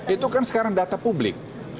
itu kan sekarang data publik